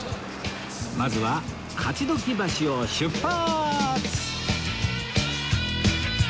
まずは勝鬨橋を出発！